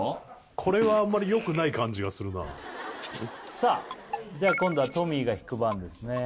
これはあんまりよくない感じがするなさあ今度はトミーが引く番ですね